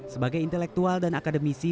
sebagai intelektual dan akademisi